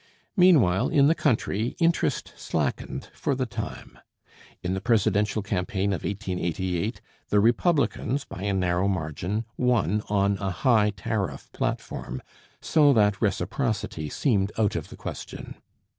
Meanwhile in the country interest slackened, for the time. In the presidential campaign of 1888 the Republicans, by a narrow margin, won on a high tariff platform, so that reciprocity seemed out of the question.